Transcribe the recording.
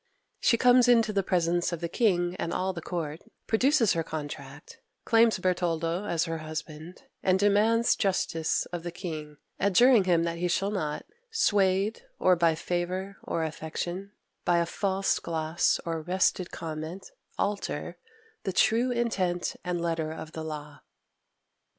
She comes into the presence of the king and all the court, produces her contract, claims Bertoldo as her husband, and demands justice of the king, adjuring him that he shall not "Swayed or by favour or affection, By a false gloss or wrested comment, alter The true intent and letter of the law."